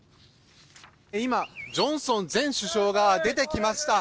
今、ジョンソン前首相が出てきました。